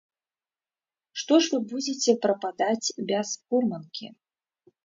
Што ж вы будзеце прападаць без фурманкі.